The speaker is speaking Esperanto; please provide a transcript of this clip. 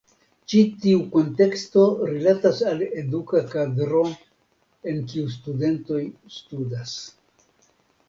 Ĉi tiu kunteksto rilatas al eduka kadro en kiu studentoj studas.